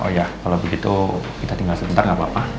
oh ya kalau begitu kita tinggal sebentar nggak apa apa